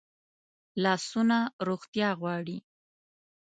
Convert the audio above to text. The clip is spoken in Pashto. لاسونه روغتیا غواړي